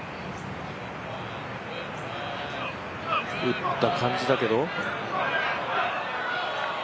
打った感じだけど？